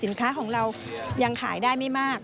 สินค้าของเรายังขายได้ไม่มาก